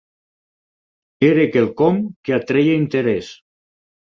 Era quelcom que atreia interès.